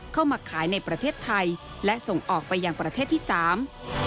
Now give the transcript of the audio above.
เข้ามาขายในประเทศไทยและส่งออกไปยังประเทศที่สาม